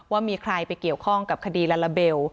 ว่ามีใครไปเกี่ยวข้องกับคดีลาลาเบล